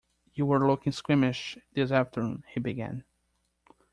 You were looking squeamish this afternoon, he began.